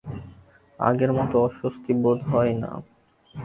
আগের মতো অস্বস্তি বোধ হয় না।